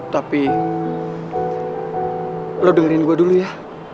tapi lo dengerin gue dulu ya